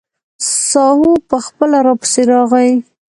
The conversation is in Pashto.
ساهو به خپله راپسې راغی.